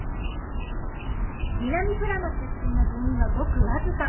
南富良野出身の部員はごく僅か。